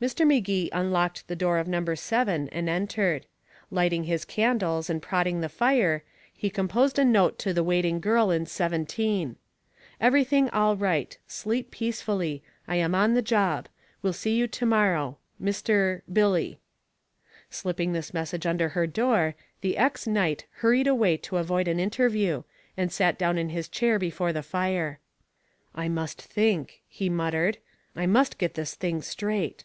Mr. Magee unlocked the door of number seven and entered. Lighting his candles and prodding the fire, he composed a note to the waiting girl in seventeen: "Everything all right. Sleep peacefully. I am on the job. Will see you to morrow. Mr. Billy." Slipping this message under her door, the ex knight hurried away to avoid an interview, and sat down in his chair before the fire. "I must think," he muttered. "I must get this thing straight."